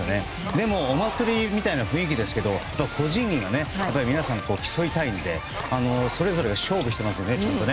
でも、お祭りみたいな雰囲気ですけど個人技が、皆さん競いたいのでそれぞれが勝負してますよねちゃんとね。